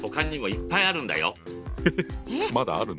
まだあるの？